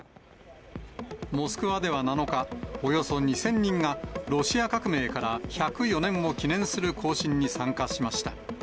モスクワでは７日、およそ２０００人が、ロシア革命から１０４年を記念する行進に参加しました。